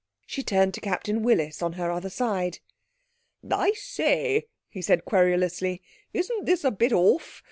She turned to Captain Willis on her other side. 'I say,' he said querulously, 'isn't this a bit off?